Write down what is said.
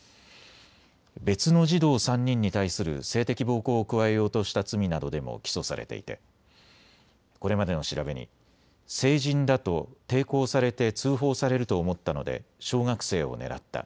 別の児童３人に対する性的暴行を加えようとした罪などでも起訴されていてこれまでの調べに、成人だと抵抗されて通報されると思ったので小学生を狙った。